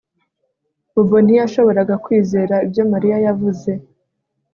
Bobo ntiyashoboraga kwizera ibyo Mariya yavuze